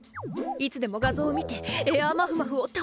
いつでも画像を見てエアまふまふを堪能したい。